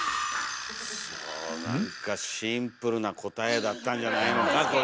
なんかシンプルな答えだったんじゃないのかこれは。